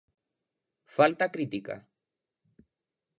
Falta crítica?